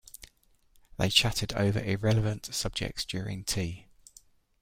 They chattered over irrelevant subjects during tea.